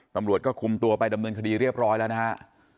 ตำรวจก็คุมตัวไปดำเนินคดีเรียบร้อยแล้วนะฮะ